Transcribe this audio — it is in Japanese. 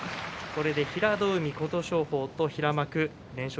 これで平戸海、琴勝峰と平幕連勝